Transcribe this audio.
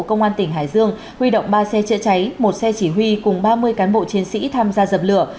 công an tỉnh hải dương huy động ba xe chữa cháy một xe chỉ huy cùng ba mươi cán bộ chiến sĩ tham gia dập lửa